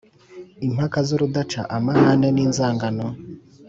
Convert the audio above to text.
impaka z’urudaca, amahane n’inzangano